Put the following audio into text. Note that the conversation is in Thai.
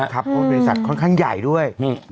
เพราะบริษัทค่อนข้างใหญ่ด้วย